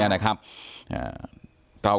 ขอบคุณมากครับขอบคุณมากครับ